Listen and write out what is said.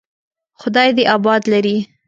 خدای دې آباد لري.